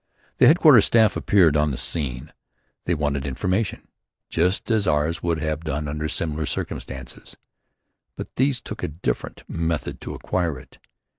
The headquarters staff appeared on the scene. They wanted information, just as ours would have done under similar circumstances, but these took a different method to acquire it.